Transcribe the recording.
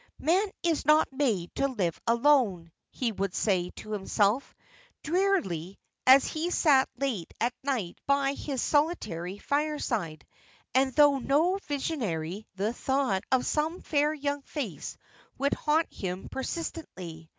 "Man is not made to live alone," he would say to himself, drearily, as he sat late at night by his solitary fireside; and, though no visionary, the thought of some fair young face would haunt him persistently.